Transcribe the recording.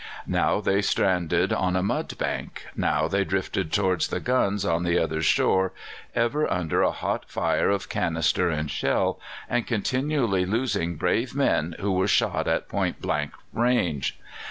Now they stranded on a mud bank, now they drifted towards the guns on the other shore, ever under a hot fire of canister and shell, and continually losing brave men who were shot at point blank range.